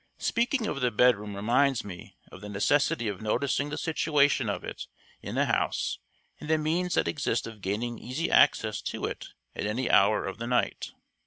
Speaking of the bedroom reminds me of the necessity of noticing the situation of it in the house, and the means that exist of gaining easy access to it at any hour of the night.